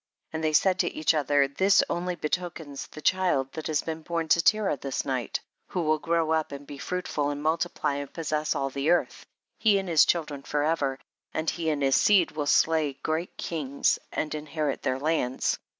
4. And they said to each other, tiiis only betokens the child that has been born to Terah this night, who will grow up and be fruitful, and multi ply, and possess all the earth, he and his children for ever, and he and his seed will slay great kings, and inherit their lands.